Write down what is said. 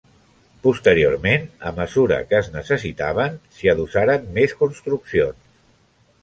Posteriorment, a mesura que es necessitaven, s'hi adossaren més construccions.